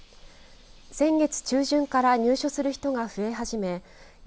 先月中旬から入所する人が増え始め２８４